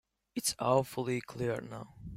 It's awfully clear now.